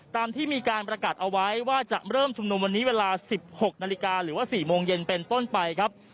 ตามที่มีการประกาศเอาไว้ว่าจะเริ่มชุมนุมวันนี้เวลา๑๖นาฬิกาหรือว่า๔โมงเย็นเป็นต้นไปครับ